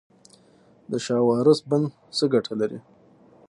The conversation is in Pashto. د شاه و عروس بند څه ګټه لري؟